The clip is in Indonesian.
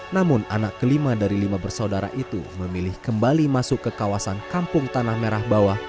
namun anak kelima dari lima bersaudara itu memilih kembali masuk ke kawasan kampung tanah merah bawah